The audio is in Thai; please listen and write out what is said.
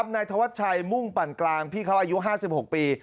นายธวัชชัยมุ่งปั่นกลางพี่เขาอายุ๕๖ปี